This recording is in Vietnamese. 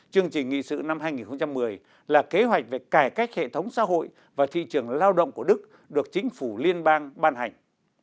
chương trình nghị sự năm hai nghìn một mươi là kế hoạch về cải cách hệ thống xã hội và thị trường lao động của đức được chính phủ liên bang ban hành